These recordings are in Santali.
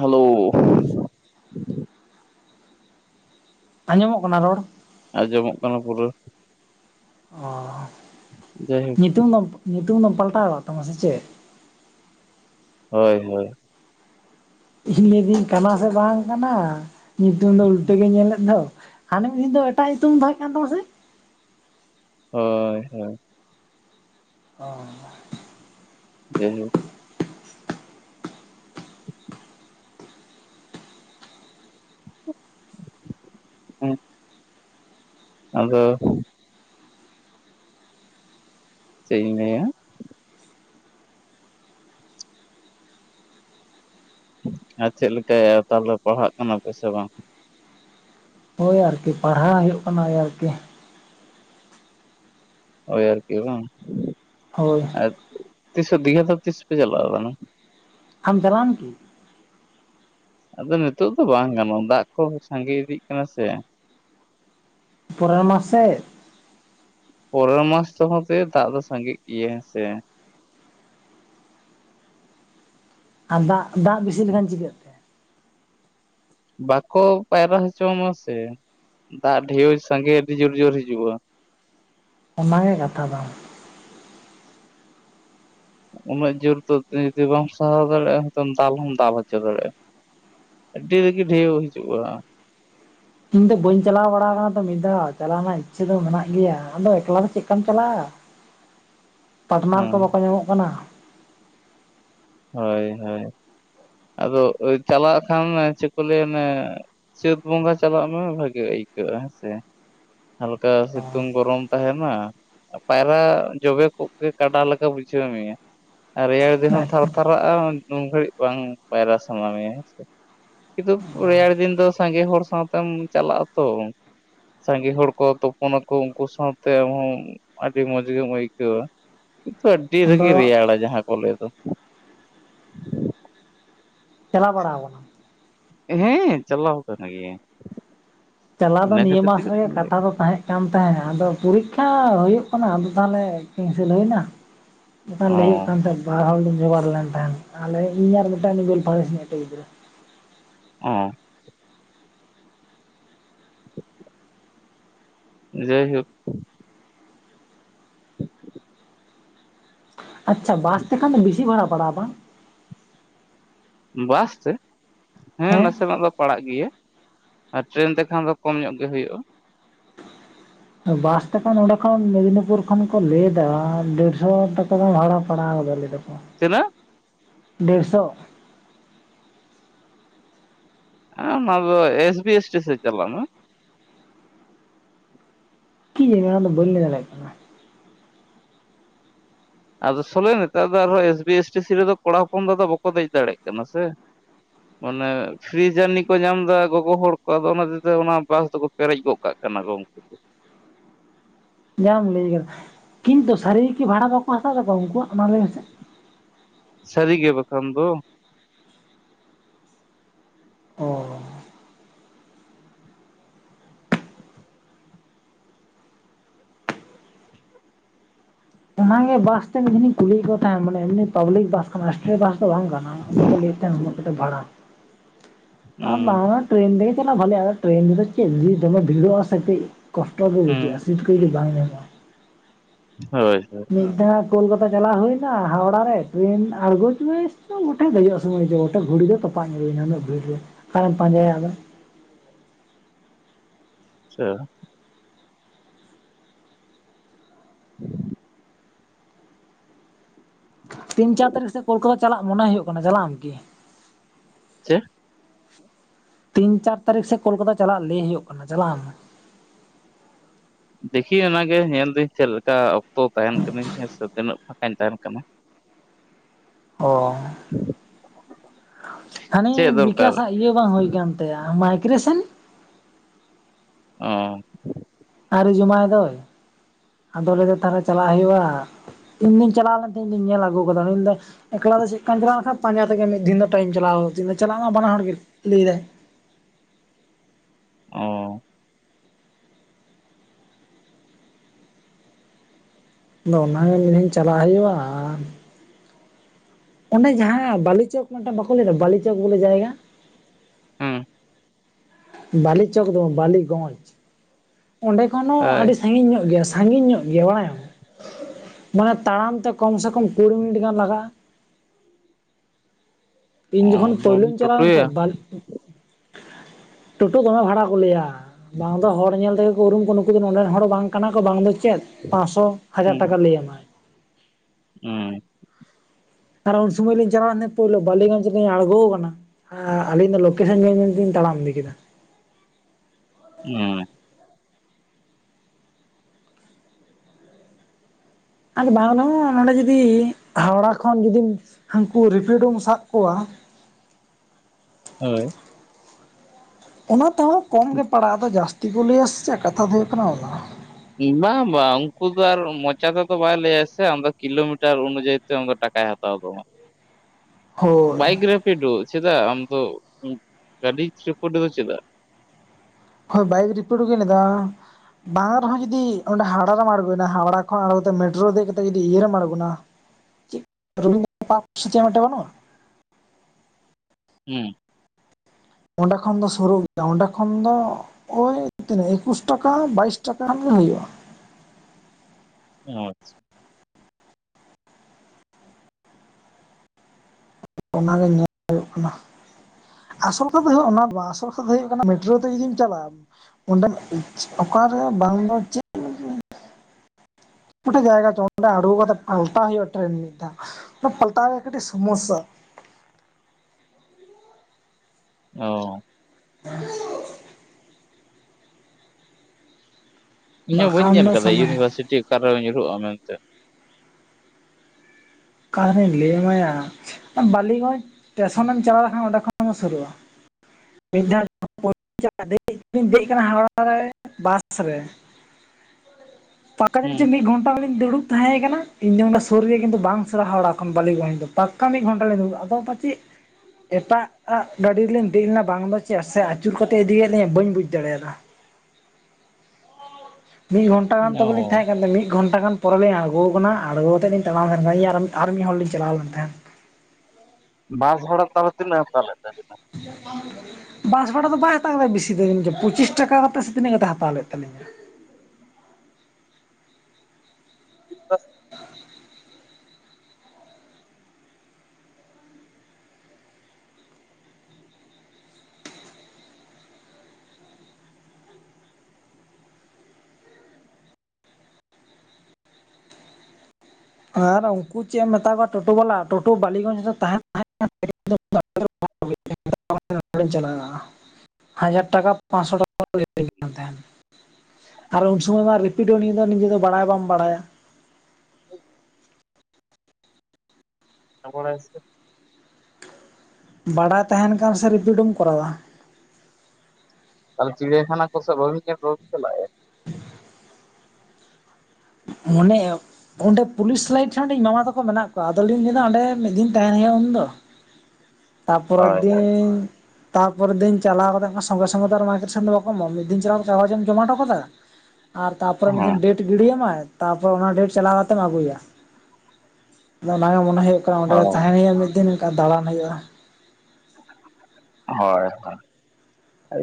ᱦᱮᱞᱳ ᱟᱸᱡᱚᱢᱚᱜ ᱠᱟᱱᱟ ᱨᱚᱲ? ᱟᱸᱡᱚᱢᱚᱜ ᱠᱟᱱᱟ ᱯᱩᱨᱟᱹ᱾ ᱚ ᱡᱟᱭᱦᱳᱠ ᱧᱩᱛᱩᱢ ᱫᱚᱢ ᱧᱩᱛᱩᱢ ᱫᱚᱢ ᱯᱟᱞᱴᱟᱣᱚᱜ ᱛᱟᱢᱟ ᱥᱮ ᱪᱮᱫ? ᱦᱳᱭ ᱦᱳᱭ᱾ ᱤᱧ ᱞᱟᱹᱭ ᱫᱤᱧ ᱠᱟᱱᱟ ᱥᱮ ᱵᱟᱝ ᱠᱟᱱᱟ ᱧᱩᱛᱩᱢ ᱫᱚ ᱩᱞᱴᱟᱹ ᱜᱮᱧ ᱧᱮᱞᱮᱫ ᱫᱚ᱾ ᱦᱟᱱᱮ ᱢᱤᱫ ᱫᱚ ᱮᱴᱟᱜ ᱧᱩᱛᱩᱢ ᱛᱟᱦᱮᱸ ᱠᱟᱱ ᱛᱟᱢᱟ ᱥᱮ? ᱦᱳᱭ ᱦᱳᱭ᱾ ᱦᱮᱸ ᱦᱮᱞᱳ᱾ [unintelligible] ᱟᱫᱚ ᱪᱮᱜ ᱤᱧ ᱞᱟᱹᱭᱟ? ᱟᱨ ᱪᱮᱫ ᱞᱮᱠᱟᱭᱟ ᱛᱟᱦᱚᱞᱮ ᱯᱟᱲᱦᱟᱜ ᱠᱟᱱᱟ ᱯᱮ ᱥᱮ ᱵᱟᱝ? ᱦᱳᱭ ᱟᱨ ᱠᱤ ᱯᱟᱲᱦᱟᱣ ᱦᱩᱭᱩᱜ ᱠᱟᱱᱟ ᱟᱨ ᱠᱤ᱾ ᱦᱳᱭ ᱟᱨᱠᱤ ᱵᱟᱝ ᱦᱳᱭ ᱟᱨ ᱛᱤᱥᱚᱜ ᱫᱤᱜᱷᱟ ᱫᱚ ᱛᱤᱥ ᱯᱮ ᱪᱟᱞᱟᱣ ᱠᱟᱱᱟ? ᱟᱢ ᱪᱟᱞᱟᱜ ᱟᱢ ᱠᱤ? ᱟᱫᱚ ᱱᱤᱛᱳᱜ ᱫᱚ ᱵᱟᱝ ᱜᱟᱱᱚᱜ-ᱟ, ᱫᱟᱜ ᱠᱚ ᱥᱟᱸᱜᱮ ᱤᱫᱤᱜ ᱠᱟᱱᱟ ᱥᱮ᱾ ᱯᱚᱨᱮᱨ ᱢᱟᱥ ᱥᱮᱫ᱾ ᱯᱚᱨᱮᱨ ᱢᱟᱥ ᱛᱮᱦᱚᱸ ᱛᱮ ᱫᱟᱜ ᱫᱚ ᱥᱟᱸᱜᱮᱜ ᱜᱮᱭᱟᱹ ᱦᱮᱸᱥᱮ᱾ ᱟᱨ ᱫᱟᱜ, ᱫᱟᱜ ᱵᱮᱥᱤ ᱞᱮᱱᱠᱷᱟᱱ ᱪᱤᱠᱟᱹᱜ-ᱟ? ᱵᱟᱠᱚ ᱯᱟᱭᱨᱟ ᱦᱚᱪᱚᱭ ᱢᱟ ᱥᱮ ᱫᱟᱜ ᱰᱷᱮᱣ ᱥᱟᱸᱜᱮ ᱟᱹᱰᱤ ᱡᱳᱨ ᱡᱳᱨ ᱦᱤᱡᱩᱜ-ᱟ᱾ ᱚᱱᱟ ᱜᱮ ᱠᱟᱛᱷᱟ ᱫᱚ᱾ ᱩᱱᱟᱹᱜ ᱡᱳᱨ ᱛᱚ ᱡᱩᱫᱤ ᱵᱟᱢ ᱥᱟᱦᱟᱣ ᱫᱟᱲᱮᱭᱟᱜ-ᱟ ᱦᱚᱸ ᱛᱚᱢ ᱫᱟᱞ ᱦᱚᱢ ᱫᱟᱞ ᱦᱚᱪᱚ ᱫᱟᱲᱮᱭᱟᱜ-ᱟ᱾ ᱟᱹᱰᱤ ᱨᱟᱹᱜᱤ ᱵᱷᱮᱣ ᱦᱤᱡᱩᱜ-ᱟ᱾ ᱤᱧ ᱫᱚ ᱵᱟᱹᱧ ᱪᱟᱞᱟᱣ ᱵᱟᱲᱟ ᱟᱠᱟᱱᱟ ᱛᱚ ᱢᱤᱫ ᱫᱷᱟᱣ ᱪᱟᱞᱟᱣ ᱨᱮᱱᱟᱜ ᱤᱪᱪᱷᱟᱹ ᱫᱚ ᱢᱮᱱᱟᱜ ᱜᱮᱭᱟ ᱟᱫᱚ ᱮᱠᱞᱟ ᱫᱚ ᱪᱮᱫ ᱪᱟᱞᱟᱜ-ᱟ᱾ ᱯᱟᱴᱱᱟᱨ ᱦᱮᱸ ᱠᱚ ᱵᱟᱠᱚ ᱧᱟᱢᱚᱜ ᱠᱟᱱᱟ᱾ ᱦᱳᱭ ᱦᱳᱭ, ᱟᱫᱚ ᱪᱟᱞᱟᱜ ᱠᱷᱟᱱ ᱪᱮᱫ ᱠᱚ ᱞᱟᱹᱭᱟ ᱚᱱᱮ, ᱪᱟᱹᱛ ᱵᱚᱸᱜᱟ ᱪᱟᱞᱟᱜ ᱢᱮ ᱵᱷᱟᱜᱤ ᱟᱹᱭᱠᱟᱹᱜ-ᱟ ᱦᱮᱸ ᱥᱮ᱾ ᱦᱟᱞᱠᱟ ᱚ ᱥᱤᱛᱩᱝ, ᱜᱚᱨᱚᱢ ᱛᱟᱦᱮᱱᱟ ᱯᱟᱭᱨᱟ ᱡᱚᱵᱮ ᱠᱚᱜ ᱜᱮ ᱠᱟᱰᱟ ᱞᱮᱠᱟ ᱵᱩᱡᱷᱟᱹᱣ ᱢᱮᱭᱟ ᱟᱨ ᱨᱮᱭᱟᱲ ᱫᱤᱱ ᱦᱚᱸ ᱛᱷᱟᱨ ᱟᱪᱪᱷᱟ ᱛᱷᱟᱨᱟᱜ-ᱟ ᱩᱱ ᱜᱷᱟᱹᱲᱤᱡ ᱵᱟᱝ ᱯᱟᱭᱨᱟ ᱥᱟᱱᱟ ᱢᱮᱭᱟ ᱦᱮᱸ ᱥᱮ᱾ ᱠᱤᱱᱛᱩ ᱨᱮᱭᱟᱲ ᱫᱤᱱ ᱫᱚ ᱥᱟᱸᱜᱮ ᱦᱚᱲ ᱥᱟᱶᱛᱮᱢ ᱪᱟᱞᱟᱜ-ᱟ ᱛᱚ᱾ ᱥᱟᱸᱜᱮ ᱦᱚᱲ ᱠᱚ ᱛᱚᱯᱚᱱ ᱟᱠᱚ ᱩᱱᱠᱩ ᱥᱟᱶᱛᱮ ᱟᱢ ᱦᱚᱸᱢ ᱟᱹᱰᱤ ᱢᱚᱡᱽ ᱜᱮᱢ ᱟᱹᱭᱠᱟᱹᱣᱟ᱾ ᱠᱤᱱᱛᱩ ᱟᱹᱰᱤ ᱟᱢᱫᱚ ᱨᱟᱹᱜᱮ ᱨᱮᱭᱟᱲᱟ ᱡᱟᱦᱟᱸ ᱠᱚ ᱞᱟᱹᱭ ᱫᱚ᱾ ᱪᱟᱞᱟᱣ ᱵᱟᱲᱟᱣ ᱠᱟᱱᱟᱢ? ᱦᱮᱸ ᱪᱟᱞᱟᱟᱜ ᱠᱟᱱᱟ ᱜᱮᱭᱤᱧ᱾ ᱪᱟᱞᱟᱣ ᱫᱚ ᱱᱤᱭᱟᱹ ᱢᱟᱥ ᱨᱮᱭᱟᱜ ᱞᱟᱹᱭ ᱠᱟᱛᱷᱟ ᱫᱚ ᱛᱟᱦᱮᱸᱫ ᱛᱟᱦᱮᱸᱫ ᱟᱫᱚ ᱯᱚᱨᱤᱠᱷᱟ ᱦᱩᱭᱩᱜ ᱠᱟᱱᱟ ᱟᱫᱚ ᱛᱟᱦᱚᱞᱮ ᱠᱮᱱᱥᱤᱞ ᱦᱳᱭ ᱱᱟ᱾ ᱮᱠᱷᱟᱱ ᱞᱮᱭ ᱦᱩᱭᱩᱜ ᱚ ᱠᱟᱱ ᱛᱟᱦᱮᱸᱫ ᱵᱟᱨ ᱦᱚᱲᱤᱧ ᱡᱚᱜᱟᱲ ᱞᱮᱱ ᱛᱟᱦᱮᱸᱫ, ᱟᱞᱮ ᱤᱧ ᱟᱨ ᱢᱤᱫᱴᱟᱝ ᱵᱮᱞᱯᱟᱦᱟᱲᱤ ᱥᱮᱱᱤᱡ ᱢᱤᱫᱴᱮᱱ ᱜᱤᱫᱽᱨᱟᱹ᱾ ᱚ ᱡᱟᱭ ᱦᱳᱠ, ᱟᱪᱪᱷᱟ ᱵᱟᱥ ᱛᱮ ᱠᱷᱟᱱ ᱫᱚ ᱵᱮᱥᱤ ᱵᱷᱟᱲᱟ ᱯᱟᱲᱟᱜ-ᱟ ᱵᱟᱝ? ᱵᱟᱥ ᱛᱮ, ᱦᱮᱸ ᱱᱟᱥᱮᱱᱟᱜ ᱫᱚ ᱯᱟᱲᱟᱜ ᱜᱮᱭᱟ ᱟᱨ ᱴᱨᱮᱱ ᱛᱮᱠᱷᱟᱱ ᱫᱚ ᱠᱚᱢ ᱧᱚᱜ ᱜᱮ ᱦᱩᱭᱩᱜ-ᱟ᱾ ᱵᱟᱥ ᱛᱮᱠᱷᱟᱱ ᱱᱚᱰᱮ ᱠᱷᱚᱱ ᱢᱮᱫᱽᱱᱤᱯᱩᱨ ᱠᱷᱚᱱ ᱠᱚ ᱞᱟᱹᱭ ᱮᱫᱟ ᱫᱮᱲᱥᱚ ᱴᱟᱠᱟ ᱜᱟᱱ [unintelligible] ᱯᱲᱟᱣ ᱫᱟ ᱞᱮᱫᱟ ᱠᱚ᱾ ᱛᱤᱱᱟᱹᱜ? ᱰᱮᱲ ᱥᱚ᱾ ᱮ ᱚᱱᱟ ᱫᱚᱭ ᱮᱥ ᱵᱤ ᱮᱥ ᱴᱤ ᱥᱮ ᱪᱟᱞᱟᱜ ᱢᱮ᱾ ᱠᱤ ᱡᱟᱹᱱᱤ ᱚᱱᱟ ᱫᱚ ᱵᱟᱹᱧ ᱞᱟᱹᱭ ᱫᱟᱲᱮᱭᱟᱜ ᱠᱟᱱᱟ᱾ ᱟᱫᱚ ᱥᱚᱞᱮ ᱱᱮᱛᱟᱨ ᱫᱚ ᱟᱨᱦᱚᱸ S B S T seat ᱨᱮᱫᱚ ᱠᱚᱲᱟ ᱦᱚᱯᱚᱱ ᱫᱚ ᱵᱟᱠᱚ ᱫᱮᱡ ᱫᱟᱲᱮᱭᱟᱜ ᱠᱟᱱᱟ ᱥᱮ᱾ ᱢᱟᱱᱮ ᱯᱷᱨᱤ ᱡᱟᱨᱱᱤ ᱠᱚ ᱧᱟᱢ ᱮᱫᱟ ᱜᱚᱜᱚ ᱦᱚᱲ ᱠᱚ ᱟᱫᱚ ᱚᱱᱟ ᱦᱚᱛᱮ ᱛᱮ ᱚᱱᱟ ᱵᱟᱥ ᱫᱚᱠᱚ ᱯᱮᱨᱮᱡ ᱜᱚᱜᱠᱟ ᱠᱟᱱᱟ ᱠᱚ᱾ ᱩᱱᱠᱩ [inaudible] ᱡᱟᱢ ᱞᱟᱹᱭ ᱟᱠᱟᱫᱟ ᱠᱤᱱᱛᱩ ᱥᱟᱹᱨᱤ ᱜᱮᱠᱤ ᱵᱷᱟᱲᱟ ᱵᱟᱠᱚ ᱦᱟᱛᱟᱣ ᱠᱟᱫᱟ ᱩᱱᱠᱩᱣᱟᱜ ᱚᱱᱟ ᱞᱟᱹᱭ ᱢᱮᱥᱮᱜ? ᱥᱟᱹᱨᱤ ᱜᱮ ᱵᱟᱠᱷᱟᱱ ᱫᱚ᱾ ᱚ᱾ ᱚᱱᱟᱜᱮ ᱵᱟᱥ ᱛᱮ ᱢᱤᱫ ᱫᱤᱱ ᱤᱧ ᱠᱩᱞᱤᱭᱮ ᱠᱚ ᱛᱟᱦᱮᱱ ᱢᱟᱱᱮ ᱮᱢᱱᱤ ᱯᱟᱵᱽᱞᱤᱠ ᱵᱟᱥ᱾ ᱨᱟᱥᱴᱨᱤᱭᱚ ᱵᱟᱥ ᱫᱚ ᱵᱟᱝ ᱠᱟᱱᱟ ᱟᱫᱚ ᱠᱚ ᱞᱟᱹᱭ ᱮᱫ ᱛᱟᱦᱮᱱ ᱱᱩᱱᱟᱹᱜ ᱠᱟᱛᱮᱜ ᱵᱷᱟᱲᱟ, ᱟᱨ ᱦᱩᱸ ᱵᱟᱝ ᱴᱨᱮᱱ ᱰᱮ ᱠᱟᱱᱟ ᱵᱷᱟᱞᱮ ᱴᱨᱮᱱ ᱫᱚ ᱪᱮᱫ ᱫᱚᱢᱮ ᱵᱷᱤᱲᱚᱜᱼᱟ ᱥᱮ ᱠᱟᱹᱪ᱾ ᱠᱚᱥᱴᱚ ᱜᱮ ᱵᱩᱡᱷᱟᱹᱜ-ᱟ ᱦᱩᱸ ᱥᱤᱴ ᱠᱚ ᱜᱮ ᱵᱟᱝ ᱧᱟᱢᱚᱜᱼᱟ᱾ ᱦᱳᱭ᱾ ᱦᱳᱭ ᱢᱤᱫ ᱫᱷᱟᱣ ᱠᱳᱞᱠᱟᱛᱟ ᱪᱟᱞᱟᱣ ᱦᱩᱭᱱᱟ ᱦᱟᱣᱲᱟ ᱨᱮ ᱴᱨᱮᱱ ᱟᱬᱜᱳ ᱥᱩᱢᱚᱹᱭ ᱪᱚᱝ [unintelligible] ᱫᱮᱡᱚᱜ ᱥᱩᱢᱟᱹᱭ [unintelligible] ᱜᱚᱴᱷᱩᱲᱤ ᱫᱚ ᱛᱚᱯ ᱯᱟᱜ ᱧᱩᱨᱦᱟᱹᱭ ᱱᱟ ᱩᱱᱟᱹᱜ ᱵᱷᱤᱨ ᱨᱮ ᱟᱠᱟᱨᱮᱢ ᱯᱟᱸᱡᱟᱭᱟ ᱟᱫᱚ? [unintelligible] [unintelligible] ᱛᱤᱱ ᱪᱟᱨ ᱛᱟᱹᱨᱤᱠᱷ ᱥᱮᱫ ᱠᱳᱞᱠᱟᱛᱟ ᱪᱟᱞᱟᱜ ᱢᱚᱱᱮ ᱦᱳᱭᱳᱜ ᱠᱟᱱᱟ ᱪᱟᱞᱟᱜ ᱟᱢ ᱠᱤ? ᱪᱮ? ᱛᱤᱱ ᱪᱟᱨ ᱛᱟᱹᱨᱤᱠᱷ ᱥᱮᱫ ᱠᱳᱞᱠᱟᱛᱟ ᱪᱟᱞᱟᱜ ᱞᱮᱭ ᱦᱳᱭᱳᱜ ᱠᱟᱱᱟ ᱪᱟᱞᱟᱜ ᱟᱢ? ᱫᱮᱠᱷᱤ ᱚᱱᱟᱜᱮ ᱧᱮᱞ ᱫᱟᱹᱧ ᱪᱮᱫ ᱞᱮᱠᱟ ᱚᱠᱛᱚ ᱛᱟᱦᱮᱱ ᱠᱟᱱᱟᱹᱧ ᱦᱮ ᱥᱮ ᱛᱤᱱᱟᱹᱜ ᱯᱷᱟᱠᱟᱧ ᱛᱟᱸᱦᱮᱱ ᱠᱟᱱᱟ᱾ [unintelligible] ᱚᱻ ᱦᱟᱱᱤ ᱪᱮᱫ ᱫᱚᱨᱠᱟᱨ ᱵᱤᱠᱟᱥᱟᱜ ᱤᱭᱟᱹ ᱵᱟᱝ ᱦᱳᱭ ᱠᱟᱱ ᱛᱟᱭᱟ ᱢᱟᱭᱜᱨᱮᱥᱮᱱ᱾ ᱚ᱾ ᱟᱹᱣᱨᱤ ᱡᱚᱢᱟᱭ ᱫᱚᱭ ᱟᱫᱚ ᱞᱟᱹᱭ ᱫᱟᱭ ᱛᱟᱦᱚᱞᱮ ᱪᱟᱞᱟᱜ ᱦᱳᱭᱳᱜᱼᱟ᱾ ᱤᱧ ᱫᱩᱧ ᱪᱟᱞᱟᱣ ᱞᱮᱱ ᱛᱤᱧ ᱤᱧ ᱫᱩᱧ ᱧᱮᱞ ᱟᱜᱩ ᱟᱠᱟᱫᱟ [unintelligible] ᱮᱠᱞᱟ ᱫᱚ ᱪᱮᱜᱠᱟᱢ ᱪᱟᱞᱟᱜ-ᱟ ᱟᱠᱷᱟᱡ ᱯᱟᱸᱡᱟ ᱛᱮᱜᱮ ᱢᱤᱫ ᱫᱤᱱ ᱫᱚ ᱴᱟᱭᱤᱢ ᱪᱟᱞᱟᱣ ᱜᱚᱫᱚᱜ ᱛᱤᱧᱟ ᱪᱟᱞᱟᱣ ᱢᱟ ᱵᱟᱱᱟ ᱦᱚᱲ ᱜᱮ ᱞᱟᱹᱭ ᱫᱟᱭ᱾ ᱚ᱾ ᱟᱫᱚ ᱚᱱᱟᱜᱮ ᱢᱤᱫ ᱫᱤᱱ ᱪᱟᱞᱟᱜ ᱦᱳᱭᱳᱜᱼᱟ᱾ ᱟᱨ ᱚᱸᱰᱮ ᱡᱟᱦᱟᱸ ᱵᱟᱞᱤ ᱪᱚᱠ ᱢᱤᱫᱴᱮᱱ ᱵᱟᱠᱚ ᱞᱟᱹᱭ ᱫᱟ ᱵᱟᱞᱤ ᱪᱚᱠ ᱵᱚᱞᱮ ᱡᱟᱭᱜᱟ, ᱦᱮᱸ ᱵᱟᱞᱤ ᱪᱚᱠ ᱫᱚ ᱵᱟᱝ ᱵᱟᱞᱤ ᱜᱚᱡᱽ ᱚᱸᱰᱮ ᱠᱷᱚᱱ ᱦᱚᱸ ᱦᱳᱭ ᱟᱹᱰᱤ ᱥᱟᱺᱜᱤᱧ ᱧᱚᱜ ᱜᱮᱭᱟ ᱥᱮ? ᱥᱟᱺᱜᱤᱧ ᱧᱚᱜ ᱜᱮᱭᱟ ᱵᱟᱝ? ᱢᱟᱱᱮ ᱛᱟᱲᱟᱢ ᱛᱮ ᱠᱚᱢᱥᱮ ᱠᱚᱢ ᱠᱩᱲᱤ ᱢᱤᱱᱤᱴ ᱜᱟᱱ ᱞᱟᱜᱟᱜᱼᱟ᱾ ᱤᱧ ᱚ ᱡᱚᱠᱷᱚᱱ ᱵᱟᱢ ᱯᱳᱭᱞᱳᱧ ᱪᱟᱞᱟᱣ ᱞᱮᱱ ᱴᱳᱴᱳᱭᱟ ᱛᱟᱦᱮᱸᱫ [unintelligible] ᱴᱳᱴᱳ ᱫᱚᱢᱮ ᱵᱷᱟᱲᱟ ᱠᱚ ᱞᱟᱹᱭ-ᱟ ᱵᱟᱝ ᱫᱚ ᱦᱚᱲ ᱧᱮᱞ ᱛᱮᱜᱮ ᱩᱨᱩᱢ ᱠᱚ ᱱᱩᱠᱩ ᱫᱚ ᱱᱚᱰᱮᱱ ᱦᱚᱲ ᱵᱟᱝ ᱠᱟᱱᱟ ᱠᱚ ᱵᱟᱝ ᱫᱚ ᱪᱮᱫ ᱯᱟᱸᱪᱥᱚ ᱦᱟᱡᱟᱨ ᱴᱟᱠᱟᱭ ᱞᱟᱹᱭ ᱟᱢᱟᱭ᱾ ᱦᱩᱸᱜ-ᱩᱸ᱾ ᱟᱨ ᱩᱱ ᱥᱚᱢᱚᱡ ᱞᱤᱧ ᱪᱟᱞᱟᱣ [unintelligible] ᱯᱳᱭᱞᱳ ᱵᱟᱞᱤ ᱜᱚᱸᱧᱡᱽ ᱨᱮᱞᱤᱧ ᱟᱲᱜᱳ ᱠᱟᱱᱟ ᱟᱸ ᱟᱞᱤᱧ ᱫᱚ ᱞᱳᱠᱮᱥᱚᱱ ᱧᱮᱞ ᱧᱮᱞ ᱛᱮᱞᱤᱧ ᱛᱟᱲᱟᱢ ᱤᱫᱤ ᱠᱮᱫᱟ᱾ [unintelligible] ᱟᱨ ᱵᱟᱝ ᱨᱮᱦᱚᱸ ᱱᱚᱸᱰᱮ ᱡᱩᱫᱤ ᱦᱟᱣᱲᱟ ᱠᱷᱚᱱ ᱡᱩᱫᱤᱢ ᱦᱟᱹᱱᱠᱩ ᱨᱤᱯᱤᱰᱳᱢ ᱥᱟᱵᱽ ᱠᱚᱣᱟ ᱦᱳᱭ᱾ ᱚᱱᱟ ᱛᱮᱦᱚᱸ ᱠᱚᱢ ᱜᱮ ᱯᱟᱲᱟᱜᱼᱟ ᱟᱫᱚ ᱡᱟᱥᱛᱤ ᱠᱚ ᱞᱟᱹᱭ-ᱟ ᱥᱮ ᱪᱮᱫ ᱠᱟᱛᱷᱟ ᱫᱚ ᱦᱳᱭᱳᱜ ᱠᱟᱱᱟ ᱚᱱᱟ᱾ ᱵᱟᱝ ᱵᱟᱝ ᱩᱱᱠᱩ ᱫᱚ ᱟᱨ ᱢᱚᱪᱟ ᱛᱮᱫᱚ ᱵᱟᱭ ᱞᱟᱹᱭᱟᱭ ᱥᱮ ᱟᱢ ᱫᱚ ᱠᱤᱞᱳᱢᱤᱴᱟᱨ ᱚᱱᱩᱡᱟᱭᱤ ᱛᱮ ᱚᱱᱠᱟ ᱴᱟᱠᱟᱭ ᱦᱟᱛᱟᱣ ᱫᱚ᱾ ᱦᱳᱭ ᱵᱟᱭᱤᱠ ᱨᱮ ᱯᱤᱰᱳ ᱪᱮᱫᱟᱜ ᱟᱢ ᱫᱚ ᱜᱟᱹᱰᱤ ᱪᱠᱠᱚᱨ ᱨᱮᱫᱚ ᱪᱮᱫᱟᱜ? ᱦᱳ ᱵᱟᱭᱤᱠ ᱨᱤᱯᱤᱰᱳ ᱜᱮ ᱞᱮᱫᱟ᱾ ᱵᱟᱝ ᱨᱮᱦᱚᱸ ᱡᱩᱫᱤ ᱚᱸᱰᱮ ᱦᱟᱣᱲᱟᱨᱮᱢ ᱟᱬᱜᱚᱱᱟ ᱦᱟᱣᱲᱟ ᱠᱷᱚᱡ ᱟᱬᱜᱚ ᱠᱟᱛᱮ ᱢᱮᱴᱨᱳ ᱫᱮᱡ ᱠᱟᱛᱮ ᱡᱩᱫᱤ ᱤᱭᱟᱹᱨᱮᱢ ᱟᱬᱜᱳᱱᱟ [inaudible] ᱥᱮ ᱪᱮᱫ ᱢᱤᱫᱴᱟᱝ ᱵᱟᱹᱱᱩᱜᱼᱟ? ᱦᱩᱸ᱾ ᱚᱸᱰᱮ ᱠᱷᱚᱱ ᱫᱚ ᱥᱩᱨᱩᱜ ᱜᱮᱭᱟ᱾ ᱚᱸᱰᱮ ᱠᱷᱚᱱ ᱫᱚ ᱳᱭ ᱛᱤᱱᱟᱹᱜ ᱮᱠᱩᱥ ᱴᱟᱠᱟ ᱵᱟᱭᱤᱥ ᱴᱟᱠᱟ ᱦᱩᱭᱩᱜ-ᱟ᱾ ᱚᱻ ᱟᱪᱪᱷᱟ᱾ ᱚᱱᱟᱜᱮ ᱧᱮᱞ ᱦᱩᱭᱩᱜ ᱠᱟᱱᱟ᱾ ᱟᱥᱚᱞ ᱠᱟᱛᱷᱟ ᱫᱚ ᱦᱩᱭᱩᱜ ᱠᱟᱱᱟ ᱚᱱᱟ ᱫᱚ ᱵᱟᱝ ᱟᱥᱚᱞ ᱠᱟᱛᱷᱟ ᱫᱚ ᱦᱩᱭᱩᱜ ᱠᱟᱱᱟ ᱢᱮᱴᱨᱳ ᱛᱮ ᱡᱩᱫᱤᱢ ᱪᱟᱞᱟᱜᱼᱟ ᱚᱸᱰᱮ ᱚᱠᱟᱨᱮ ᱵᱟᱝ ᱫᱚ ᱪᱮᱫ [unintelligible] ᱡᱟᱭᱜᱟ ᱪᱚ ᱚᱸᱰᱮ ᱟᱬᱜᱚ ᱠᱟᱛᱮᱜ ᱯᱟᱞᱴᱟᱣ ᱦᱩᱭᱩᱜᱳᱼᱟ ᱴᱨᱮᱱ ᱢᱤᱫ ᱫᱷᱟᱣ ᱯᱟᱞᱴᱟᱣ ᱨᱮᱭᱟᱜ ᱠᱟᱹᱴᱤᱡ ᱥᱚᱢᱚᱥᱥᱟ᱾ ᱚᱻ᱾ [inaudible] ᱤᱧ ᱦᱚᱸ ᱵᱟᱹᱧ ᱵᱟᱠᱷᱟᱱ ᱧᱮᱞ ᱫᱚ ᱠᱟᱫᱟ ᱥᱚᱢᱚᱭ ᱤᱭᱩᱱᱤᱵᱷᱟᱨᱥᱤᱴᱤ ᱚᱠᱟᱨᱮ ᱧᱩᱨᱩᱜᱼᱟ ᱢᱮᱱᱛᱮ᱾ ᱚᱠᱟᱨᱤᱧ ᱞᱟᱹᱭ ᱟᱢᱟᱭᱟ ᱵᱟᱞᱤᱜᱚᱸᱡᱽ ᱴᱮᱥᱚᱱᱮᱢ ᱪᱟᱞᱟᱣ ᱞᱮᱠᱷᱟᱱ ᱚᱸᱰᱮ ᱠᱷᱚᱱ ᱜᱮ ᱥᱩᱨᱩᱜᱼᱟ᱾ ᱢᱤᱫ ᱫᱷᱟᱱ [inaudible] ᱫᱮᱡ ᱠᱟᱱᱟ ᱦᱟᱣᱲᱟ ᱨᱮ ᱵᱟᱥ ᱨᱮ᱾ ᱯᱟᱠᱟ ᱡᱟᱱᱤᱡ ᱦᱩᱸ ᱪᱚᱝ ᱢᱤᱫ ᱜᱚᱱᱴᱟ ᱜᱟᱱᱤᱧ ᱫᱩᱲᱩᱵ ᱛᱟᱦᱮᱸ ᱠᱟᱱᱟ ᱤᱧ ᱫᱚ ᱚᱸᱰᱮ ᱥᱩᱨ ᱜᱮ ᱠᱤᱱᱛᱩ ᱵᱟᱝ ᱥᱩᱨᱟ ᱦᱟᱣᱲᱟ ᱠᱷᱚᱱ ᱵᱟᱞᱤᱜᱚᱱᱡ ᱫᱚ ᱯᱟᱠᱠᱟ ᱢᱤᱫ ᱜᱷᱚᱱᱴᱟ ᱞᱮ ᱫᱩᱲᱩᱵ ᱟᱫᱚ ᱯᱟᱪᱮᱫ ᱮᱴᱟᱜᱼᱟᱜ ᱜᱟᱹᱰᱤ ᱞᱮᱨᱤᱧ ᱫᱮᱡ ᱮᱱᱟ ᱵᱟᱝ ᱫᱚ ᱪᱮᱫ ᱥᱮ ᱟᱹᱪᱩᱨ ᱠᱟᱛᱮ ᱤᱫᱤᱭᱮᱫ ᱞᱤᱧᱟᱹ ᱵᱟᱹᱧ ᱵᱩᱡᱽ ᱫᱟᱲᱮᱭᱟᱫᱟ᱾ ᱢᱤᱫ ᱜᱷᱚᱱᱴᱟ ᱜᱟᱱ ᱛᱚᱵᱮᱞᱤᱧ ᱚ ᱛᱟᱦᱮᱸ ᱠᱟᱱ ᱫᱚ ᱢᱤᱫ ᱜᱷᱚᱱᱴᱟ ᱜᱟᱱ ᱯᱚᱨᱮᱞᱤᱧ ᱟᱬᱜᱚ ᱠᱟᱱᱟ ᱟᱬᱜᱚ ᱠᱟᱛᱮᱫ ᱞᱤᱧ ᱛᱟᱲᱟᱢ [unintelligible] ᱤᱧ ᱟᱨ ᱢᱤᱫ ᱦᱚᱲ ᱞᱤᱧ ᱪᱟᱞᱟᱣ ᱞᱮᱱ ᱛᱟᱦᱮᱸᱫ᱾ ᱵᱟᱥ ᱵᱷᱟᱲᱟ ᱛᱟᱦᱚᱞᱮ ᱛᱤᱱᱟᱹᱜ ᱦᱟᱛᱟᱣ ᱞᱮᱫ ᱛᱟᱹᱵᱤᱱᱟ? [inaudible] ᱵᱟᱥ ᱵᱷᱟᱲᱟ ᱫᱚ ᱵᱟᱭ ᱦᱟᱛᱟᱣ ᱠᱮᱫᱟ ᱵᱮᱥᱤ ᱫᱚ ᱯᱚᱸᱪᱤᱥ ᱴᱟᱠᱟ ᱠᱟᱛᱮ ᱥᱮ ᱛᱤᱱᱟᱹᱜ ᱠᱟᱛᱮ ᱦᱟᱛᱟᱣ ᱞᱮᱫ ᱛᱟᱞᱤᱧᱟ᱾ [inaudible] [inaudible] ᱟᱨ ᱩᱱᱠᱩ ᱪᱮ ᱮᱢ ᱢᱮᱛᱟ ᱠᱚᱣᱟ ᱴᱳᱴᱳ ᱵᱟᱞᱟ ᱴᱳᱴᱳ ᱵᱟᱞᱤᱜᱚᱸᱡᱽ ᱨᱮ ᱛᱟᱦᱮᱸᱱ [inaudible] [inaudible] ᱦᱟᱡᱟᱨ ᱴᱟᱠᱟ [inaudible] ᱯᱟᱸᱥᱥᱚ ᱴᱟᱠᱟ [inaudible] ᱛᱟᱦᱮᱸᱱ ᱟᱨ ᱩᱱ ᱥᱚᱢᱚᱭ ᱢᱟ ᱨᱤᱯᱤᱴ ᱩᱱᱤ ᱫᱚ ᱱᱤᱡᱮ ᱫᱚ ᱵᱟᱲᱟᱭ ᱵᱟᱢ ᱵᱟᱲᱟᱭᱟ᱾ [inaudible] [inaudible] ᱵᱟᱰᱟᱭ ᱛᱟᱦᱮᱱᱸ ᱠᱷᱟᱱ ᱥᱮ ᱨᱤᱯᱤᱴ ᱮᱢ ᱠᱚᱨᱟᱣᱟ᱾ ᱛᱟᱦᱚᱞᱮ ᱪᱤ ᱰᱮ ᱠᱚ ᱥᱮᱫ ᱵᱟᱵ ᱧ ᱵᱟᱟᱹᱵᱤᱱ [unintelligible] ᱪᱟᱞᱟᱜᱼᱟ᱾ [inaudible] ᱦᱮᱸ ᱢᱚᱱᱮ ᱚᱸᱰᱮ ᱯᱩᱞᱤᱥ ᱞᱟᱭᱤᱱ ᱴᱷᱮᱱ ᱢᱟᱢᱟ ᱛᱟᱠᱚ ᱢᱮᱱᱟᱜ ᱠᱚᱣᱟ ᱟᱫᱚ ᱞᱤᱧ ᱞᱟᱹᱭ ᱮᱫᱟ ᱚᱸᱰᱮ ᱢᱤᱫ ᱫᱤᱱ ᱛᱟᱦᱮ ᱸᱱ ᱦᱩᱭᱩᱜᱼᱟ ᱩᱱᱫᱚ᱾ ᱛᱟᱯᱚᱨᱮᱨ ᱦᱳᱭ ᱦᱳᱭ ᱫᱤᱱ ᱛᱟᱯᱚᱨᱮᱨ ᱫᱤᱱ ᱪᱟᱞᱟᱣ ᱠᱟᱛᱮ ᱦᱚ ᱥᱚᱸᱜᱮ ᱥᱚᱸᱜᱮ ᱫᱚ ᱟᱨ ᱢᱟᱭᱜᱛᱜᱮᱷᱵᱵᱮ ᱥᱱ ᱫᱚ ᱵᱟᱠᱚ ᱮᱢᱚᱜ-ᱟ ᱢᱤᱫᱤᱱ ᱪᱞᱟᱣ ᱠᱟᱛᱮ ᱠᱟᱡ [inaudible] ᱮᱢ ᱡᱚᱢᱟ ᱦᱚᱴᱚ ᱠᱟᱫᱟ᱾ ᱟᱨ ᱛᱟᱯᱚᱨᱮ ᱢᱤᱫ ᱦᱮᱸ ᱫᱤᱱ ᱰᱮᱴ ᱜᱤᱲᱤ ᱟᱢᱟᱭ ᱛᱟᱯᱚᱨᱮ ᱚᱱᱟ ᱰᱮᱴ ᱪᱟᱞᱟᱣ ᱠᱟᱛᱮᱢ ᱟᱹᱜᱩᱭᱟ, ᱚᱱᱟ ᱜᱮ ᱢᱚᱱᱮ ᱦᱩᱭᱩᱜ ᱛᱟᱦᱚᱞᱮ ᱚᱸᱰᱮ ᱦᱳᱭ ᱛᱟᱦᱮᱸᱱ ᱦᱩᱭᱩᱜᱼᱟ ᱢᱤᱫ ᱫᱤᱱ ᱚᱱᱠᱟ ᱫᱟᱬᱟᱱ ᱦᱩᱭᱩᱜᱼᱟ᱾ ᱦᱳᱭ ᱚᱠᱟ᱾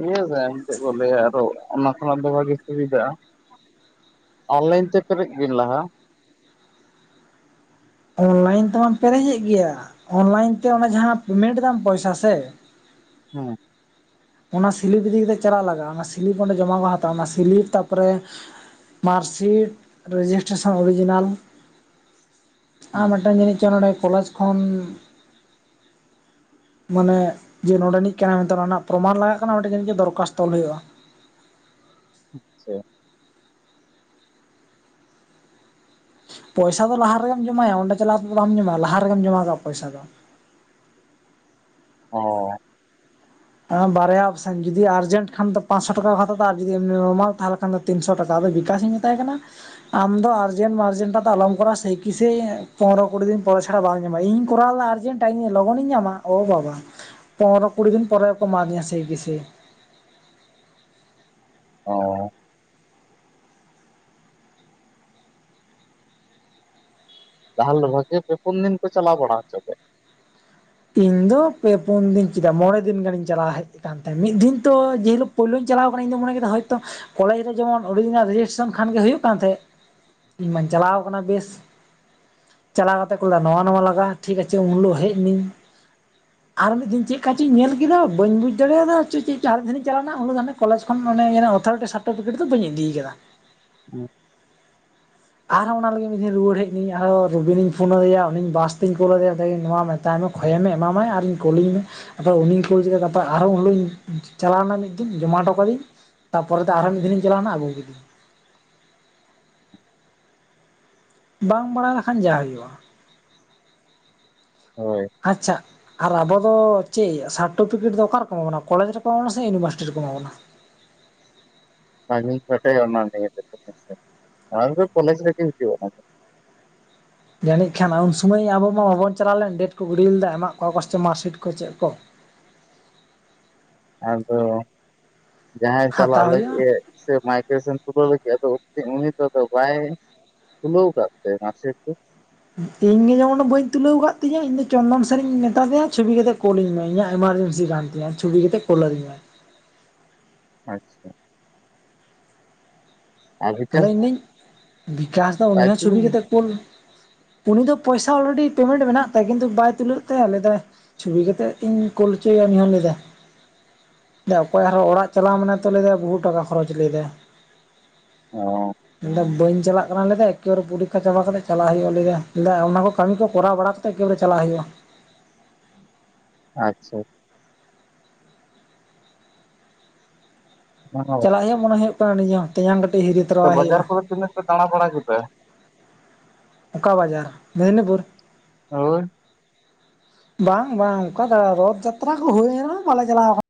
ᱤᱭᱟᱹ ᱥᱮ ᱟᱢ ᱪᱮᱫ ᱠᱚ ᱞᱟᱹᱭᱟ ᱟᱨᱚ ᱚᱱᱟ ᱠᱷᱚᱱᱟᱜ ᱫᱚ ᱵᱷᱟᱜᱮ ᱥᱩᱵᱤᱫᱟᱜᱼᱟ᱾ ᱚᱱᱞᱟᱭᱤᱱ ᱛᱮ ᱯᱮᱨᱮᱡ ᱵᱤᱱ ᱞᱟᱦᱟ᱾ ᱚᱱᱞᱟᱭᱤᱱ ᱛᱮᱢᱟ ᱯᱮᱨᱮᱡᱮᱫ ᱜᱮᱭᱟ ᱚᱱᱞᱟᱭᱤᱱ ᱛᱮ ᱚᱱᱟ ᱡᱟᱦᱟᱸ ᱯᱮᱢᱮᱱᱴ ᱫᱟᱢ ᱯᱚᱭᱥᱟ ᱥᱮ ᱦᱮᱸ᱾ ᱚᱱᱟ ᱥᱤᱞᱤᱯ ᱤᱫᱤ ᱠᱟᱛᱮᱫ ᱪᱟᱞᱟᱜ ᱞᱟᱜᱟᱜᱼᱟ ᱚᱱᱟ ᱥᱤᱞᱤᱯ ᱚᱸᱰᱮ ᱡᱚᱢᱟ ᱠᱚ ᱦᱟᱛᱟᱣᱟ ᱚᱱᱟ ᱥᱤᱞᱤᱯ ᱛᱟᱨᱯᱚᱨᱮ ᱢᱟᱨᱠᱥᱤᱴ ᱨᱮᱡᱤᱥᱴᱮᱥᱚᱱ ᱚᱨᱤᱡᱤᱱᱟᱞ᱾ ᱟᱨ ᱦᱮᱸ ᱢᱤᱫ ᱴᱟᱝ ᱡᱟᱱᱤᱡ ᱪᱚ ᱱᱚᱰᱮ ᱠᱚᱞᱮᱡᱽ ᱯᱷᱳᱱ ᱢᱟᱱᱮ ᱡᱮ ᱱᱚᱰᱮᱱᱤᱡ ᱠᱟᱱᱟ ᱢᱮᱱᱛᱮ ᱚᱱᱟ ᱨᱮᱱᱟᱜ ᱯᱨᱚᱢᱟᱱ ᱞᱟᱜᱟ ᱠᱟᱱᱟ ᱚᱱᱰᱮ ᱡᱟᱱᱤᱡ ᱪᱚ ᱫᱚᱨᱠᱚᱥᱛᱚ ᱚᱞ ᱦᱩᱭᱩᱜᱼᱟ᱾ ᱟᱪᱪᱷᱟ᱾ ᱯᱚᱭᱥᱟ ᱫᱚ ᱞᱟᱦᱟ ᱨᱮᱜᱮᱢ ᱡᱚᱢᱟᱭᱟ ᱚᱸᱰᱮ ᱪᱟᱞᱟᱣ ᱠᱟᱛᱮ ᱫᱚ ᱵᱟᱢ ᱡᱚᱢᱟᱭᱟ ᱞᱟᱦᱟ ᱨᱮᱜᱮ ᱡᱚᱢᱟ ᱠᱟᱜᱼᱟ ᱯᱚᱭᱥᱟ ᱫᱚ᱾ ᱚ᱾ ᱮ ᱵᱟᱨᱭᱟ ᱚᱯᱥᱮᱱ ᱡᱩᱫᱤ ᱟᱨᱡᱮᱱᱴ ᱠᱷᱟᱱ ᱫᱚ ᱯᱟᱸᱪᱥᱚ ᱴᱟᱠᱟ ᱠᱚ ᱦᱟᱛᱟᱣᱟ ᱟᱨ ᱡᱩᱫᱤᱢ ᱱᱚᱨᱢᱟᱞ ᱛᱟᱦᱚᱞᱮ ᱠᱷᱟᱱ ᱫᱚ ᱛᱤᱱᱥᱚ ᱴᱟᱠᱟ ᱟᱫᱚ ᱵᱤᱠᱟᱥ ᱤᱧ ᱢᱮᱛᱟᱭ ᱠᱟᱱᱟ ᱟᱢ ᱫᱚ ᱟᱨᱡᱮᱱᱴ ᱢᱟᱨᱡᱮᱱᱴ ᱴᱟ ᱫᱚ ᱟᱞᱚᱢ ᱠᱚᱨᱟᱣ-ᱟ ᱥᱮᱭ ᱠᱤᱥᱮ ᱯᱚᱱᱮᱨᱚ ᱠᱩᱲᱤ ᱫᱤᱱ ᱯᱚᱨᱮ ᱟᱠᱷᱟᱲᱟ ᱵᱟᱝ ᱧᱟᱢᱚ ᱟ ᱤᱧ ᱠᱚᱨᱟᱣ ᱞᱮᱫᱟ ᱟᱨᱡᱮᱱᱴ ᱴᱟᱭᱤ ᱞᱚᱜᱚᱱᱤᱧ ᱧᱟᱢᱟ ᱚ ᱵᱟᱵᱟ ᱯᱚᱱᱮᱨᱚ ᱠᱩᱲᱤ ᱫᱤᱱ ᱯᱚᱨᱮ ᱠᱚᱢᱟ ᱫᱤᱧᱟ ᱥᱮᱤ ᱠᱮᱥᱤ᱾ ᱚ᱾ ᱛᱟᱦᱚᱞᱮ ᱢᱚᱡᱚᱜᱮ ᱯᱮ ᱯᱩᱱ ᱫᱤᱱ ᱠᱚ ᱪᱟᱞᱟᱣ ᱵᱟᱲᱟ ᱦᱚᱪᱚᱠᱮᱫ ᱤᱧ ᱫᱚ ᱯᱮ ᱯᱩᱱ ᱫᱤᱱᱧ ᱪᱮᱫᱟ ᱢᱚᱬᱮ ᱫᱤᱱ ᱜᱟᱱᱤᱧ ᱪᱟᱞᱟᱣ ᱦᱮᱡ ᱟᱠᱟᱱ ᱛᱟᱦᱮᱸᱫ ᱢᱤᱫ ᱫᱤᱱ ᱛᱚ ᱡᱮᱦᱤᱞᱳ ᱯᱳᱭᱞᱳᱧ ᱪᱟᱞᱟᱣ ᱠᱟᱱᱟ ᱤᱧ ᱫᱚ ᱢᱚᱱᱮ ᱠᱮᱫᱟ ᱦᱚᱭᱛᱳ ᱠᱚᱞᱮᱡᱽ ᱨᱮ ᱡᱮᱢᱚᱱ ᱚᱨᱤᱜᱤᱱᱟᱞ ᱨᱮᱡᱤᱥᱴᱮᱥᱚᱱ ᱠᱷᱟᱱᱜ ᱜᱮ ᱦᱩᱭᱩᱜ ᱠᱟᱱ ᱛᱟᱦᱮᱸᱫ᱾ ᱤᱧ ᱢᱟᱧ ᱪᱟᱞᱟᱣ ᱟᱠᱟᱱᱟ ᱵᱮᱥ᱾ ᱪᱟᱞᱟᱣ ᱠᱟᱛᱮ ᱠᱚ ᱞᱟᱸᱫᱟ ᱱᱟᱣᱟ ᱱᱟᱣᱟ ᱞᱟᱜᱟᱜ ᱴᱷᱤᱠ ᱟᱪᱷᱮ ᱩᱱ ᱦᱤᱞᱳᱜ ᱦᱮᱡ ᱱᱤᱧ᱾ ᱟᱨ ᱢᱤᱫ ᱫᱤᱱ ᱪᱮᱫ ᱠᱟᱪ ᱤᱧ ᱧᱮᱞ ᱠᱮᱫᱟ ᱵᱟᱹᱧ ᱵᱩᱡᱽ ᱫᱟᱲᱮᱭᱟᱫᱟ ᱪᱮᱫ ᱪᱚᱝ ᱟᱨ ᱢᱤᱫ ᱫᱷᱮᱱᱤᱧ ᱪᱟᱞᱟᱣᱱᱟ ᱦᱟᱱᱮ ᱠᱚᱞᱮᱡᱽ ᱠᱷᱚᱱ ᱚᱱᱮ ᱚᱛᱷᱚᱣᱨᱮᱴᱤ ᱥᱟᱨᱴᱤᱯᱷᱤᱠᱮᱴ ᱫᱚ ᱵᱟᱹᱧ ᱤᱫᱤᱭ ᱟᱠᱟᱫᱟ᱾ ᱟᱨᱦᱚᱸ ᱚᱱᱟ ᱞᱟᱹᱜᱤᱫ ᱢᱤᱫ ᱫᱤᱱ ᱨᱩᱣᱟᱹᱲ ᱦᱮᱡ ᱱᱟᱹᱧ ᱟᱨᱦᱚ ᱨᱚᱵᱤᱱᱤᱧ ᱯᱷᱳᱱᱟᱫᱮᱭᱟ ᱩᱱᱤ ᱵᱟᱥ ᱛᱤᱧ ᱠᱳᱞ ᱟᱫᱮᱭᱟᱧ ᱱᱚᱣᱟ ᱢᱮᱛ ᱛᱟᱭᱚᱢ ᱠᱷᱚᱭᱮ ᱢᱮ ᱮᱢᱟᱢᱟᱭ ᱟᱨᱤᱧ ᱠᱩᱞᱤᱧ ᱢᱮ᱾ ᱟᱫᱚ ᱩᱱᱤᱧ ᱠᱩᱞ ᱠᱮᱫᱟᱭᱟ ᱜᱟᱯᱟ ᱟᱨᱦᱚᱸ ᱩᱱ ᱦᱚᱞᱤᱧ ᱪᱟᱞᱟᱣᱱᱟ ᱢᱤᱫ ᱫᱤᱱ ᱡᱚᱢᱟ ᱦᱚᱴᱚ ᱠᱟᱫᱟᱧ᱾ ᱛᱟᱯᱚᱨᱮᱛᱮ ᱟᱨᱦᱚᱸ ᱢᱤᱫ ᱫᱤᱱᱤᱧ ᱪᱟᱞᱟᱣᱱᱟ ᱟᱹᱜᱩ ᱠᱮᱫᱤᱧ᱾ ᱵᱟᱝ ᱵᱟᱲᱟᱟᱭ ᱞᱮᱠᱷᱟᱱ ᱡᱟᱦᱩᱭᱩᱜᱼᱟ᱾ ᱦᱳᱭ᱾ ᱟᱪᱪᱷᱟ᱾ ᱟᱨ ᱟᱵᱚ ᱫᱚ ᱪᱮᱫ ᱭᱟ ᱥᱟᱨᱴᱳᱯᱤᱠᱮᱴ ᱫᱚ ᱚᱠᱟ ᱨᱮᱠᱚ ᱮᱢᱟ ᱵᱚᱱᱟ ᱠᱚᱞᱮᱡᱽ ᱨᱮᱠᱚ ᱮᱢᱟ ᱵᱚᱱᱟ ᱥᱮ ᱤᱭᱩᱱᱤᱵᱷᱟᱨᱥᱤᱴᱤ ᱨᱮᱠᱚ ᱮᱢᱟ ᱵᱚᱱᱟ? ᱵᱟᱝᱤᱧ ᱵᱟᱰᱟᱭᱟ ᱟᱱᱟ ᱱᱤᱭᱟᱹ ᱛᱮ ᱫᱚ ᱦᱮᱸᱥᱮ‌ ᱚᱱᱟᱠᱚ ᱫᱚ ᱠᱚᱞᱮᱡ ᱨᱮᱜᱮ ᱦᱤᱡᱩᱜᱼᱟ ᱾ ᱡᱟᱹᱱᱤᱡ ᱠᱷᱟᱱ ᱩᱱ ᱥᱩᱚᱢᱟᱹᱭ ᱟᱵᱚ ᱢᱟ ᱵᱟᱵᱚᱱ ᱪᱟᱞᱟᱣ ᱞᱮᱱ ᱰᱮᱴ ᱠᱚ ᱜᱤᱰ ᱞᱮᱫᱟ ᱮᱢᱟᱜ ᱠᱚᱣᱟ ᱠᱚ ᱥᱮ ᱢᱟᱨᱥᱤᱴ ᱠᱚ ᱪᱮᱫ ᱠᱚ? ᱟᱫᱚ ᱡᱟᱦᱟᱸᱭ ᱪᱟᱞᱟᱜ ᱦᱟᱛᱟᱣ ᱦᱩᱭᱩᱜᱼᱟ ᱞᱟᱹᱜᱤᱫ ᱮ ᱥᱮ ᱢᱟᱭᱠᱨᱮᱥᱚᱱ ᱛᱩᱞᱟᱹᱣ ᱞᱟᱹᱜᱤᱫ ᱟᱫᱚ ᱚᱠᱚᱛᱤ ᱩᱱᱤ ᱫᱚ ᱵᱟᱭ ᱛᱩᱞᱟᱹᱣ ᱟᱠᱟᱫ ᱛᱮ ᱢᱟᱨᱥᱤᱴ ᱫᱚ? ᱤᱧ ᱜᱮ ᱡᱮᱢᱚᱱ ᱵᱟᱹᱧ ᱛᱩᱞᱟᱹᱣ ᱟᱠᱟᱫ ᱛᱤᱧᱟᱹ ᱤᱧ ᱫᱚ ᱪᱚᱱᱫᱚᱱ ᱥᱮᱱ ᱤᱧ ᱢᱮᱛᱟᱫᱮᱭᱟ ᱪᱷᱚᱵᱤ ᱠᱟᱛᱮ ᱠᱚᱞ ᱤᱧ ᱢᱮ ᱤᱧᱟᱹᱜ ᱮᱢᱟᱨᱡᱮᱱᱥᱤ ᱜᱟᱱ ᱤᱧᱟᱜ ᱪᱷᱩᱵᱤ ᱠᱟᱛᱮᱫ ᱠᱚᱞ ᱤᱧ ᱢᱮ ᱾ ᱟᱪᱪᱷᱟ᱾ ᱟᱨ ᱟᱫᱚ ᱵᱤᱠᱟᱥ ᱤᱧ ᱢᱟ ᱵᱤᱠᱟᱥ ᱫᱚ ᱩᱱᱤ ᱦᱚᱸ ᱨᱟᱭᱯᱩᱨ ᱪᱷᱚᱵᱤ ᱠᱟᱛᱮ ᱠᱩᱞ ᱩᱱᱤ ᱫᱚ ᱯᱚᱭᱥᱟ ᱚᱞᱨᱮᱰᱤ ᱯᱮᱢᱮᱱᱴ ᱢᱮᱱᱟᱜ ᱛᱟᱭᱟ ᱠᱤᱱᱛᱩ ᱵᱟᱭ ᱛᱩᱞᱟᱹᱜ ᱛᱟᱭᱟ ᱞᱮᱫᱟᱭ ᱪᱷᱚᱵᱤ ᱠᱟᱛᱮᱜ ᱤᱧ ᱠᱩᱞ ᱦᱚᱪᱚᱭᱟ ᱩᱱᱤᱦᱚ ᱞᱟᱹᱭᱟᱫᱟ᱾ ᱚᱠᱚᱭ ᱟᱨᱦᱚᱸ ᱚᱲᱟᱜ ᱪᱟᱞᱟᱣ ᱢᱟᱱᱮ ᱛᱚ ᱞᱟᱹᱭ ᱮᱫᱟ ᱵᱚᱦᱩ ᱴᱟᱠᱟ ᱠᱷᱚᱨᱚᱪ ᱞᱟᱹᱭᱫᱟᱭ᱾ ᱚ᱾ ᱢᱮᱱᱫᱟ ᱵᱟᱹᱧ ᱪᱟᱞᱟᱜ ᱠᱟᱱᱟ ᱞᱮᱫᱟ ᱮᱠᱮᱟᱨᱮ ᱯᱚᱨᱤᱠᱠᱷᱟ ᱪᱟᱵᱟ ᱠᱟᱛᱮᱮᱫ ᱪᱟᱞᱟᱜ ᱦᱩᱭᱩᱜᱼᱟ ᱞᱮᱫᱟ ᱢᱮᱱᱫᱟ ᱚᱱᱟ ᱠᱚ ᱠᱟᱹᱢᱤ ᱠᱚ ᱠᱚᱨᱟᱣ ᱵᱟᱲᱟ ᱠᱟ ᱛᱮᱜ ᱵᱮ ᱨᱮ ᱪᱟᱞᱟᱜ ᱦᱩᱭᱩᱜᱼᱟ᱾ ᱟᱪᱪᱷᱟ ᱾ ᱪᱟᱞᱟᱜ ᱦᱩᱭᱩᱜ ᱢᱚᱱᱮ ᱦᱩᱭᱩᱜ ᱠᱟᱱᱟ ᱱᱤᱡᱮ ᱦᱚ ᱛᱮᱭᱟᱝ ᱠᱟᱹᱴᱤᱡ ᱦᱤᱨᱤ ᱛᱚᱨᱟᱭ ᱵᱟᱡᱟᱨ ᱦᱩᱭᱩᱜᱼᱟ᱾ ᱠᱚᱨᱮ ᱛᱤᱱᱟᱹᱜ ᱯᱮ ᱫᱟᱬᱟ ᱵᱟᱲᱟ ᱠᱮᱫᱟ? ᱚᱠᱟ ᱵᱟᱡᱟᱨ ᱢᱮᱫᱽᱱᱤᱯᱩᱨ? ᱦᱳᱭ᱾ ᱵᱟᱝ ᱵᱟᱝ ᱚᱱᱠᱟ ᱫᱟᱬᱟ ᱫᱚ ᱡᱟᱛᱨᱟ ᱠᱚ ᱦᱩᱭᱱᱟ ᱵᱟᱞᱮ ᱪᱟᱞᱟᱣ ᱟᱠᱟᱱᱟ᱾